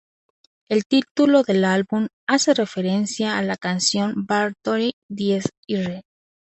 El título del álbum hace referencia a la canción de Bathory, Dies Irae.